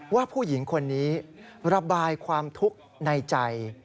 ว่าผู้หญิงคนนี้ระบายความทุกข์ในใจ